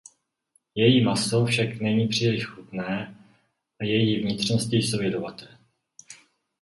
Její maso však není příliš chutné a její vnitřnosti jsou jedovaté.